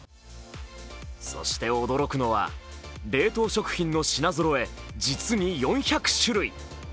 そして、驚くのは冷凍食品の品ぞろえ、実に４００種類。